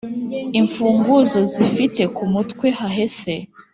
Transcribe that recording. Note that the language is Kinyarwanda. Imfunguzo zifite ku mutwe hahese,